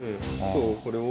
これを。